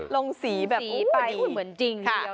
ลงสีแบบนี้ไปเหมือนจริงเชียว